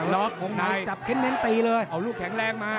ล็อคห่วงในเอาลูกแข็งแรงมา